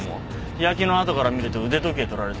日焼けの痕からみると腕時計取られてるし。